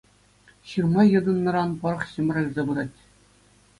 Ҫырма йӑтӑннӑран пӑрӑх ҫӗмӗрӗлсе пырать.